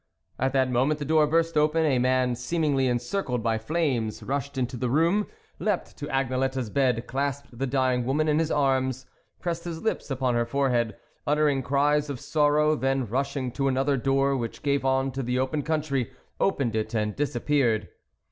At that moment the door burst open, a man seemingly encircled by flames, rushed into the room, leapt to Agnelette's bed, clasped the dying woman in his arms, pressed his lips upon her forehead, utter ing cries of sorrow, then, rushing to another door which gave on to the open country, opened it and disappeared.